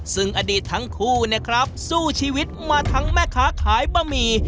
ซึ่งอดีตทั้งคู่เนี่ยครับสู้ชีวิตมาทั้งแม่ค้าขายบะหมี่